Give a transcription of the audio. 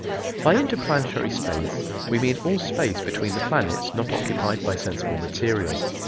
By interplanetary space we mean all space between the planets not occupied by sensible material.